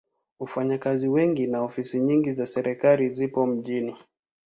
Wafanyakazi wengi na ofisi nyingi za serikali zipo mjini.